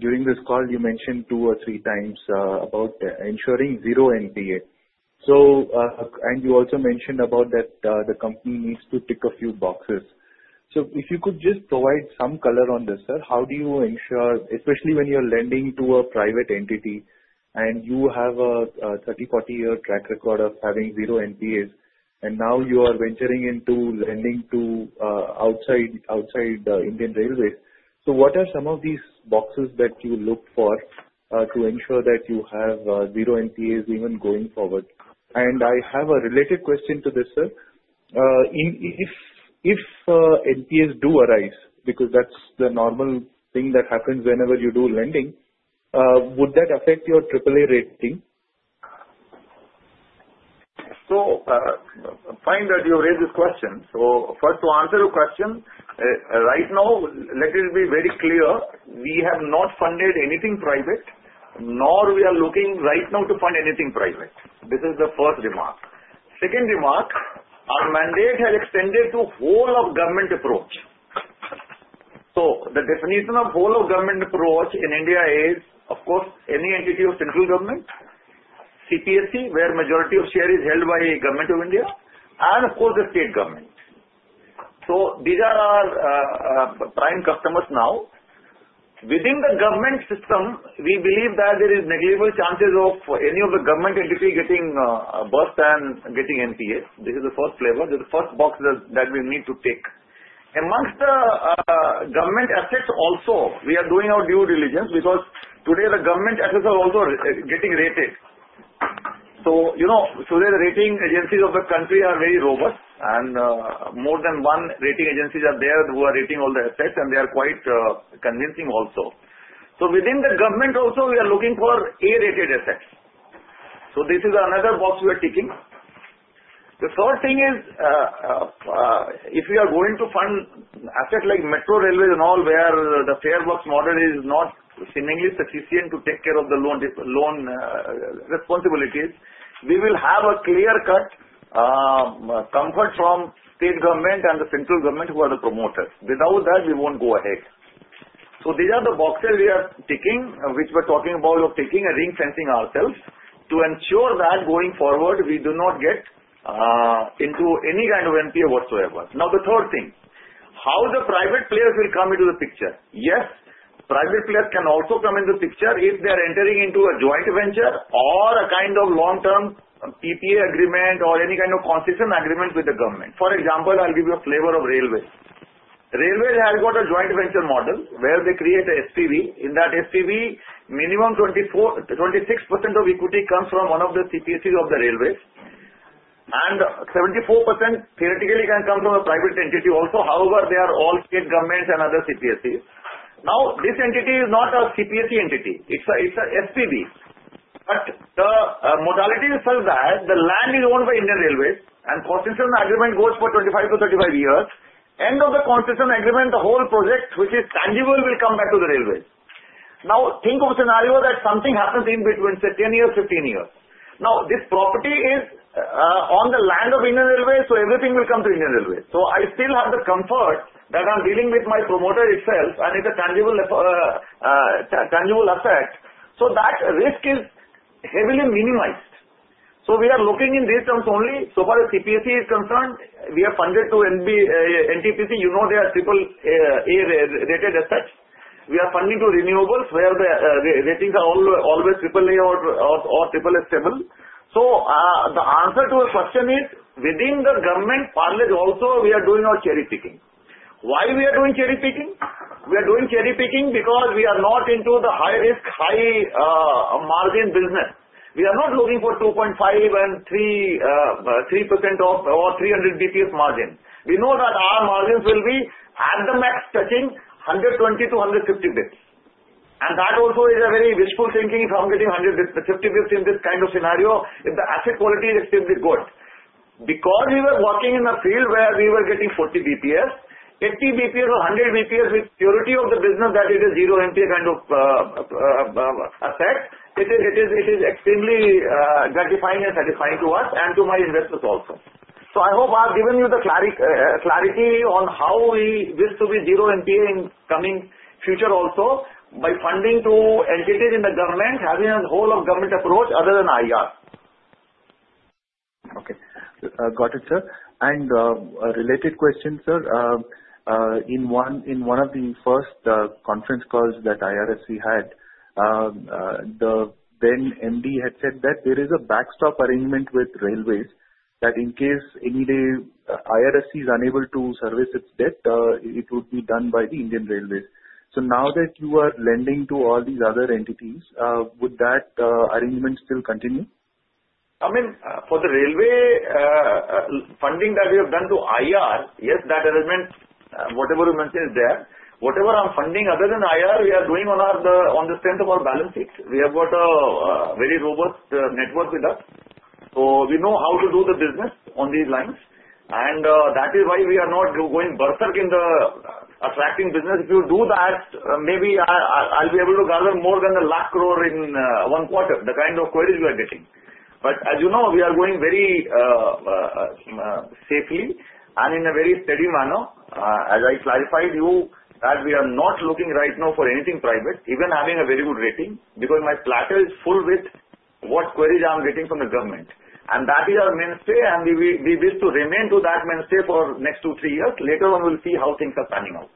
during this call, you mentioned two or three times about ensuring zero NPA. And you also mentioned about that the company needs to tick a few boxes. So if you could just provide some color on this, sir, how do you ensure, especially when you're lending to a private entity and you have a 30- or 40-year track record of having zero NPAs, and now you are venturing into lending to outside Indian Railways? So what are some of these boxes that you look for to ensure that you have zero NPAs even going forward? And I have a related question to this, sir. If NPAs do arise, because that's the normal thing that happens whenever you do lending, would that affect your AAA rating? Fine that you raised this question. First, to answer your question, right now, let it be very clear, we have not funded anything private, nor are we looking right now to fund anything private. This is the first remark. Second remark, our mandate has extended to whole-of-government approach. The definition of whole-of-government approach in India is, of course, any entity of central government, CPSE, where majority of share is held by Government of India, and of course, the state government. These are our prime customers now. Within the government system, we believe that there is negligible chance of any of the government entity getting bust and getting NPAs. This is the first flavor. This is the first box that we need to tick. Amongst the government assets also, we are doing our due diligence because today the government assets are also getting rated. So today, the rating agencies of the country are very robust, and more than one rating agency is there who are rating all the assets, and they are quite convincing also. So within the government also, we are looking for A-rated assets. So this is another box we are ticking. The third thing is, if we are going to fund assets like Metro Railways and all, where the farebox model is not seemingly sufficient to take care of the loan responsibilities, we will have a clear-cut comfort from state government and the central government who are the promoters. Without that, we won't go ahead. So these are the boxes we are ticking, which we're talking about of ticking and ring-fencing ourselves to ensure that going forward, we do not get into any kind of NPA whatsoever. Now, the third thing, how the private players will come into the picture. Yes, private players can also come into the picture if they are entering into a joint venture or a kind of long-term PPA agreement or any kind of concession agreement with the government. For example, I'll give you a flavor of Railways. Railways has got a joint venture model where they create an SPV. In that SPV, minimum 26% of equity comes from one of the CPSEs of the Railways, and 74% theoretically can come from a private entity also. However, they are all state governments and other CPSEs. Now, this entity is not a CPSE entity. It's an SPV. But the modality is such that the land is owned by Indian Railways, and concession agreement goes for 25-35 years. At the end of the concession agreement, the whole project, which is tangible, will come back to the Railways. Now, think of a scenario that something happens in between, say, 10 years, 15 years. Now, this property is on the land of Indian Railways, so everything will come to Indian Railways. So I still have the comfort that I'm dealing with my promoter itself, and it's a tangible asset. So that risk is heavily minimized. So we are looking in these terms only. As far as the CPSE is concerned. We are funding to NTPC. You know they are AAA-rated assets. We are funding to renewables, where the ratings are always AAA or AAA stable. So the answer to the question is, within the government parlance also, we are doing our cherry picking. Why we are doing cherry picking? We are doing cherry picking because we are not into the high-risk, high-margin business. We are not looking for 2.5% and 3% or 300 basis points margin. We know that our margins will be at the max touching 120-150 basis points, and that also is a very wishful thinking if I'm getting 150 basis points in this kind of scenario if the asset quality is extremely good. Because we were working in a field where we were getting 40 basis points, 80 basis points, or 100 basis points with purity of the business that it is zero NPA kind of asset, it is extremely gratifying and satisfying to us and to my investors also, so I hope I've given you the clarity on how we wish to be zero NPA in coming future also by funding to entities in the government having a whole-of-government approach other than IR. Okay. Got it, sir. And related question, sir. In one of the first conference calls that IRFC had, the then MD had said that there is a backstop arrangement with railways that in case any day IRFC is unable to service its debt, it would be done by the Indian Railways. So now that you are lending to all these other entities, would that arrangement still continue? I mean, for the railway funding that we have done to IR, yes, that arrangement, whatever you mentioned there, whatever I'm funding other than IR, we are doing on the strength of our balance sheet. We have got a very robust network with us. So we know how to do the business on these lines. And that is why we are not going berserk in attracting business. If you do that, maybe I'll be able to gather more than a lakh crore in one quarter, the kind of queries we are getting. But as you know, we are going very safely and in a very steady manner. As I clarified to you that we are not looking right now for anything private, even having a very good rating, because my platter is full with what queries I'm getting from the government. That is our mainstay, and we wish to remain to that mainstay for the next two, three years. Later on, we'll see how things are panning out.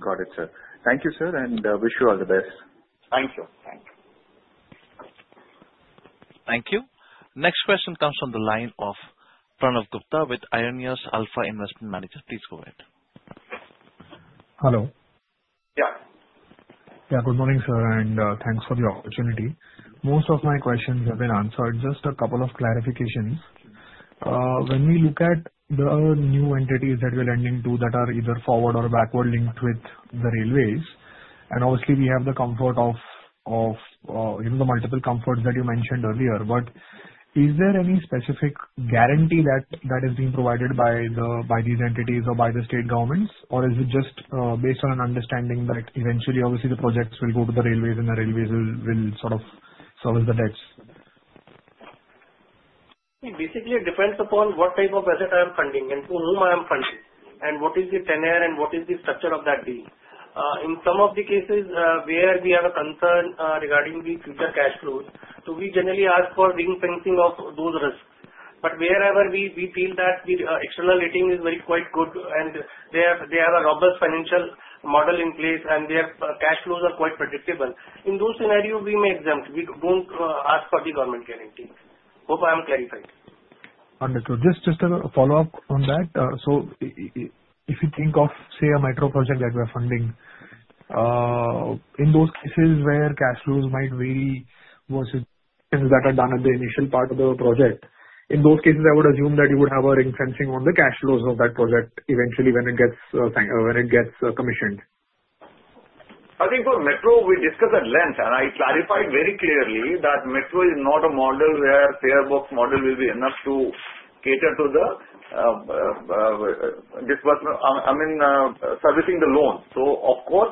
Got it, sir. Thank you, sir, and wish you all the best. Thank you. Thank you. Thank you. Next question comes from the line of Pranav Gupta with Aionios Alpha Investment Management. Please go ahead. Hello. Yeah. Good morning, sir, and thanks for the opportunity. Most of my questions have been answered. Just a couple of clarifications. When we look at the new entities that we're lending to that are either forward or backward linked with the railways, and obviously, we have the comfort of the multiple comforts that you mentioned earlier, but is there any specific guarantee that is being provided by these entities or by the state governments, or is it just based on an understanding that eventually, obviously, the projects will go to the railways and the railways will sort of service the debts? Basically, it depends upon what type of asset I am funding and to whom I am funding and what is the tenure and what is the structure of that deal. In some of the cases where we have a concern regarding the future cash flows, we generally ask for ring-fencing of those risks. But wherever we feel that the external rating is quite good and they have a robust financial model in place and their cash flows are quite predictable, in those scenarios, we may exempt. We don't ask for the government guarantee. Hope I've clarified. Understood. Just a follow-up on that. So if you think of, say, a metro project that we are funding, in those cases where cash flows might vary versus that are done at the initial part of the project, in those cases, I would assume that you would have a ring-fencing on the cash flows of that project eventually when it gets commissioned. I think for metro, we discussed at length, and I clarified very clearly that metro is not a model where farebox model will be enough to cater to the disbursement, I mean, servicing the loans. So of course,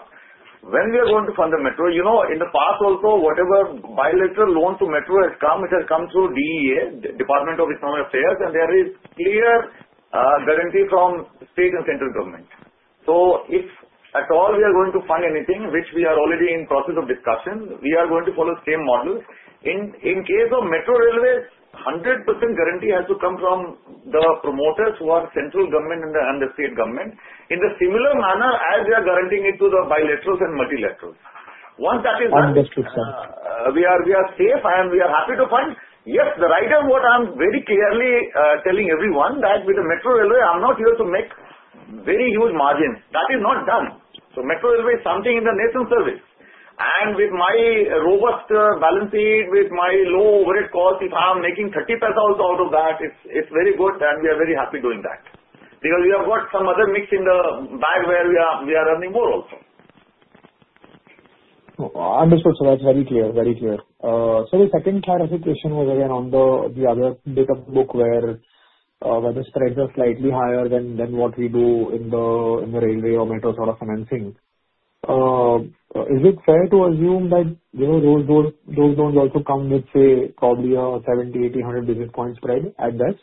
when we are going to fund the metro, in the past also, whatever bilateral loan to metro has come, it has come through DEA, Department of Economic Affairs, and there is clear guarantee from state and central government. So if at all we are going to fund anything, which we are already in the process of discussion, we are going to follow the same model. In case of metro railways, 100% guarantee has to come from the promoters who are central government and the state government in the similar manner as they are guaranteeing it to the bilaterals and multilaterals. Once that is done. Understood, sir. We are safe and we are happy to fund. Yes, that's right, and what I'm very clearly telling everyone that with the metro railway, I'm not here to make very huge margins. That is not done, so metro railway is something in the nation's service, and with my robust balance sheet, with my low overhead cost, if I'm making 30 paise out of that, it's very good, and we are very happy doing that. Because we have got some other mix in the bag where we are earning more also. Understood, sir. That's very clear. Very clear. So the second clarification was again on the other bit of book where the spreads are slightly higher than what we do in the railway or metro sort of financing. Is it fair to assume that those loans also come with, say, probably a 70, 80, 100 basis points spread at best?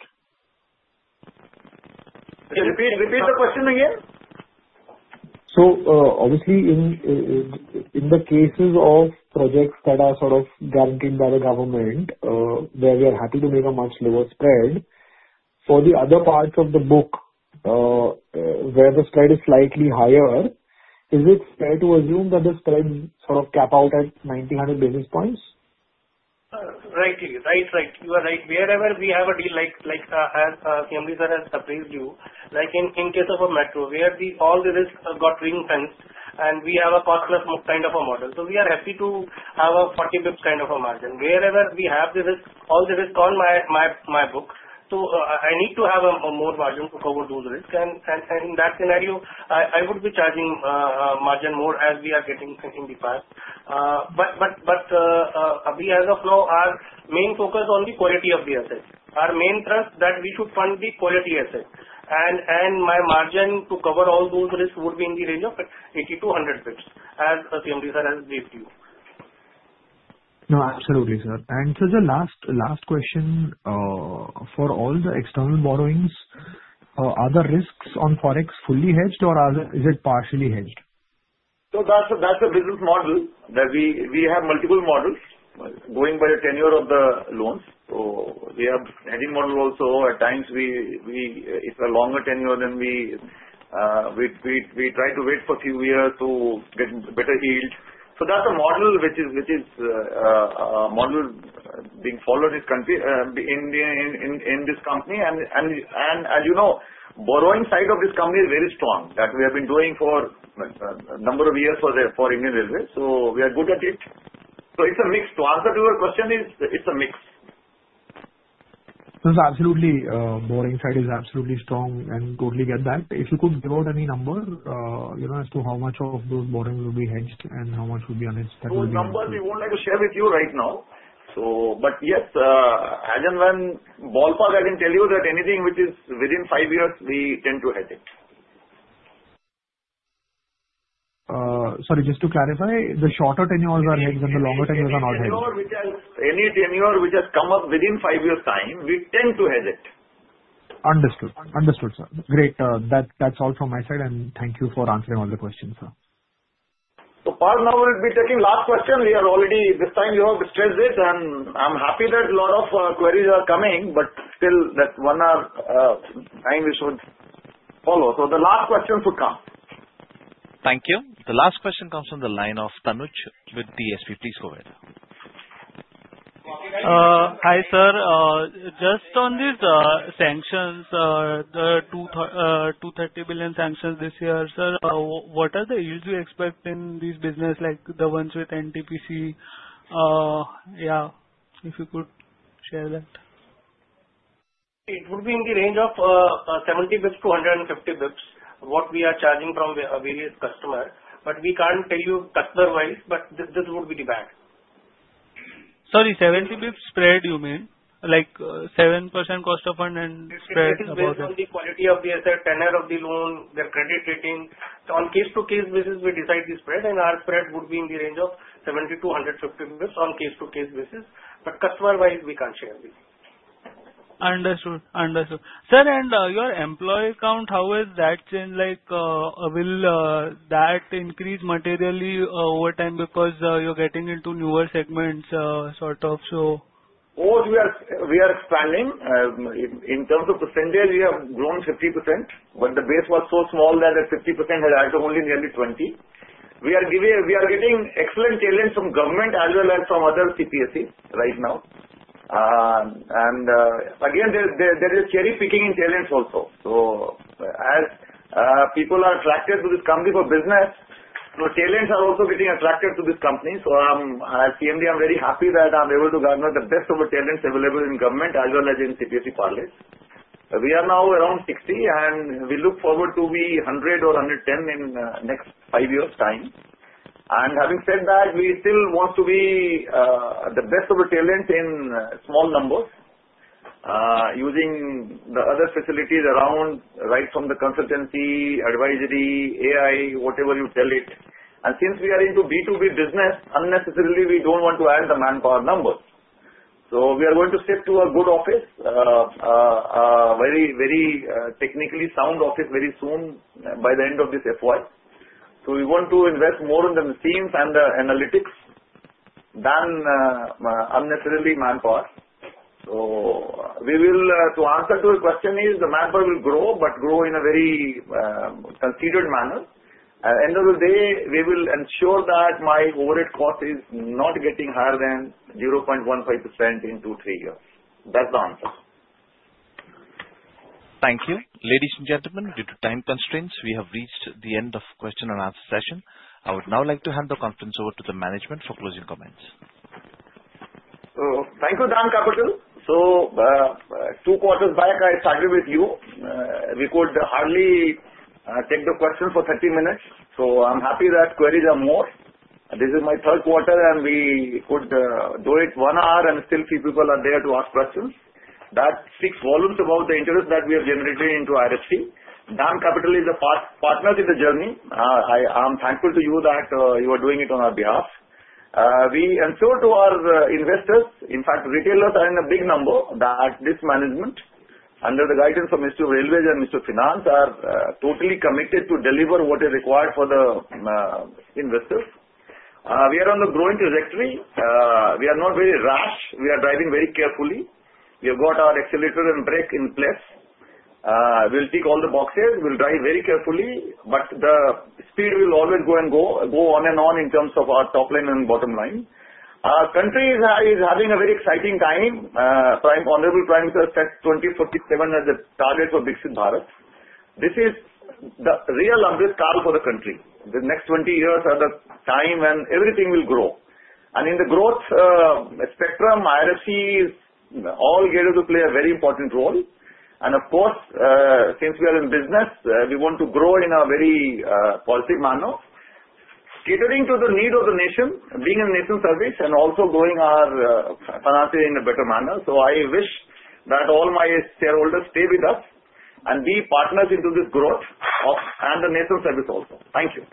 Repeat the question again. So obviously, in the cases of projects that are sort of guaranteed by the government, where we are happy to make a much lower spread, for the other parts of the book where the spread is slightly higher, is it fair to assume that the spreads sort of cap out at 90-100 basis points? Right. Right. Right. You are right. Wherever we have a deal, like CMD has surprised you, in case of a metro, where all the risks got ring-fenced and we have a cost-plus kind of a model. So we are happy to have a 40 basis points kind of a margin. Wherever we have all the risk on my book, I need to have a more margin to cover those risks. And in that scenario, I would be charging a margin more as we are getting in the past. But we, as of now, are main focus on the quality of the assets. Our main thrust that we should fund the quality assets. And my margin to cover all those risks would be in the range of 80-100 basis points, as CMD has briefed you. No, absolutely, sir. And so the last question for all the external borrowings, are the risks on Forex fully hedged or is it partially hedged? So that's a business model that we have multiple models going by the tenure of the loans. So we have hedging model also. At times, it's a longer tenure than we try to wait for a few years to get better yield. So that's a model which is being followed in this company. And as you know, the borrowing side of this company is very strong that we have been doing for a number of years for Indian Railways. So we are good at it. So it's a mix. To answer to your question, it's a mix. So the borrowing side is absolutely strong and totally get that. If you could give out any number as to how much of those borrowings will be hedged and how much will be unhedged, that would be. Those numbers, we won't like to share with you right now. But yes, as and when ballpark, I can tell you that anything which is within five years, we tend to hedge it. Sorry, just to clarify, the shorter tenures are hedged and the longer tenures are not hedged. Any tenure which has come up within five years' time, we tend to hedge it. Understood. Understood, sir. Great. That's all from my side, and thank you for answering all the questions, sir. Parth now will be taking last question. This time, you have stressed it, and I'm happy that a lot of queries are coming, but still that one or two we should follow. The last question should come. Thank you. The last question comes from the line of Tanuj with DSP. Please go ahead. Hi, sir. Just on these sanctions, the 230 billion sanctions this year, sir, what are the yields you expect in these businesses like the ones with NTPC? Yeah, if you could share that. It would be in the range of 70 basis points to 150 basis points what we are charging from various customers, but we can't tell you customer-wise, but this would be the band. Sorry, 70 basis points spread, you mean? Like 7% cost of fund and spread about. It is based on the quality of the asset, tenure of the loan, their credit rating. On case-to-case basis, we decide the spread, and our spread would be in the range of 70-150 basis points on case-to-case basis. But customer-wise, we can't share this. Understood. Understood. Sir, and your employee count, how has that changed? Will that increase materially over time because you're getting into newer segments sort of, so? We are expanding. In terms of percentage, we have grown 50%. When the base was so small that at 50%, it had only nearly 20. We are getting excellent talents from government as well as from other CPSEs right now. And again, there is cherry picking in talents also. So as people are attracted to this company for business, so talents are also getting attracted to this company. So as CMD, I'm very happy that I'm able to garner the best of the talents available in government as well as in CPSE parlance. We are now around 60, and we look forward to be 100 or 110 in the next five years' time. And having said that, we still want to be the best of the talents in small numbers using the other facilities around right from the consultancy, advisory, AI, whatever you call it. And since we are into B2B business, unnecessarily, we don't want to add the manpower numbers. So we are going to shift to a good office, a very technically sound office very soon by the end of this FY. So we want to invest more in the machines and the analytics than unnecessarily manpower. So to answer to your question, the manpower will grow, but grow in a very concerted manner. At the end of the day, we will ensure that my overhead cost is not getting higher than 0.15% in two, three years. That's the answer. Thank you. Ladies and gentlemen, due to time constraints, we have reached the end of the question and answer session. I would now like to hand the conference over to the management for closing comments. Thank you, DAM Capital. So two quarters back, I started with you. We could hardly take the questions for 30 minutes. So I'm happy that queries are more. This is my third quarter, and we could do it one hour, and still few people are there to ask questions. That speaks volumes about the interest that we have generated in IRFC. DAM Capital is a partner in the journey. I am thankful to you that you are doing it on our behalf. We ensure to our investors, in fact, retail investors are in a big number that this management, under the guidance of Ministry of Railways and Ministry of Finance, are totally committed to deliver what is required for the investors. We are on the growing trajectory. We are not very rash. We are driving very carefully. We have got our accelerator and brake in place. We'll tick all the boxes. We'll drive very carefully, but the speed will always go and go on and on in terms of our top line and bottom line. Our country is having a very exciting time. Honorable Prime Minister says 2047 as the target for Viksit Bharat. This is the real Amrit Kaal for the country. The next 20 years are the time when everything will grow, and in the growth spectrum, IRFC is all geared to play a very important role, and of course, since we are in business, we want to grow in a very positive manner, catering to the need of the nation, being in nation's service, and also growing our finance in a better manner, so I wish that all my shareholders stay with us and be partners into this growth and the nation's service also. Thank you.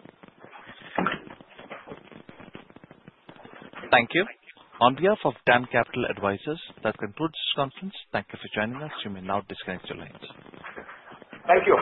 Thank you. On behalf of DAM Capital Advisors, that concludes this conference. Thank you for joining us. You may now disconnect your lines. Thank you.